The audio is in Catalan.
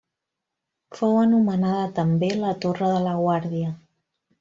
Fou anomenada també la Torre de la Guàrdia.